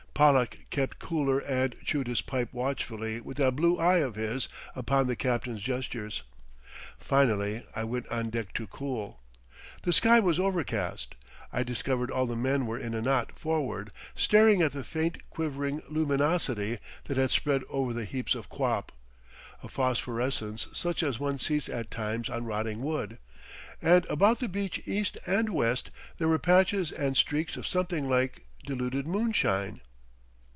Pollack kept cooler and chewed his pipe watchfully with that blue eye of his upon the captain's gestures. Finally I went on deck to cool. The sky was overcast I discovered all the men were in a knot forward, staring at the faint quivering luminosity that had spread over the heaps of quap, a phosphorescence such as one sees at times on rotting wood. And about the beach east and west there were patches and streaks of something like diluted moonshine....